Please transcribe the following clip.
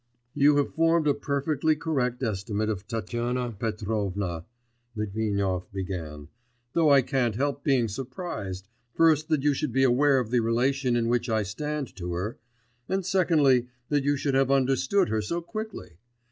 'You have formed a perfectly correct estimate of Tatyana Petrovna,' Litvinov began, 'though I can't help being surprised, first that you should be aware of the relation in which I stand to her; and secondly, that you should have understood her so quickly.